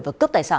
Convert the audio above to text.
và cướp tài sản